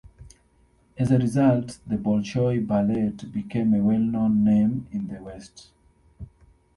As a result, the "Bolshoi Ballet" became a well-known name in the West.